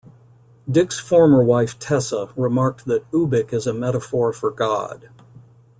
Dick's former wife Tessa remarked that Ubik is a metaphor for God.